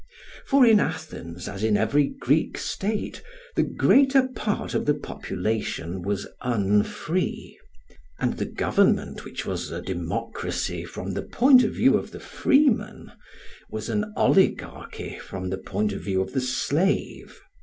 For in Athens, as in every Greek state, the greater part of the population was unfree; and the government which was a democracy from the point of view of the freeman, was an oligarchy from the point of view of the slave.